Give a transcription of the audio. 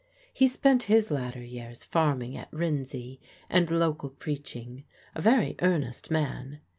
He spent his latter years farming at Rinsey and local preaching; a very earnest man.